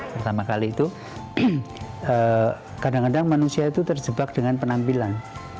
pertama kali itu kadang kadang manusia itu terjebak dengan penampilan